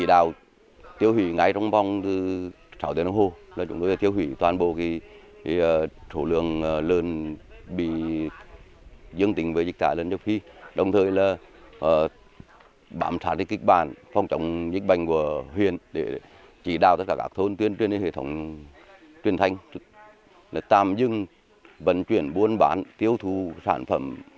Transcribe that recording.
và tổ chức tiêu hủy toàn bộ số lợn bị nhiễm bệnh